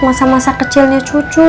masa masa kecilnya cucu